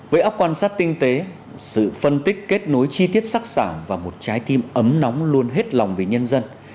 với óc quan sát tinh tế sự phân tích kết nối chi tiết sắc xảo và một trái tim ấm nóng luôn hết lòng về nhát dao